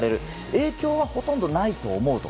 影響はほとんどないと思うと。